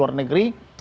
maupun luar negeri